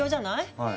はい。